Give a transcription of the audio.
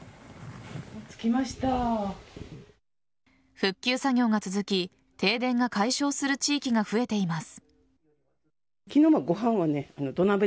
復旧作業が続き停電が解消する地域が増えています。